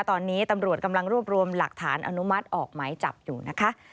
ตอนนี้ตำรวจกำลังรวบรวมหลักฐานอนุมัติออกหมายจับอยู่นะคะ